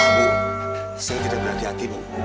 maaf ma bu saya tidak berhati hati bu